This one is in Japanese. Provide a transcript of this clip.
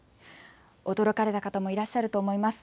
驚かれた方もいらっしゃると思います。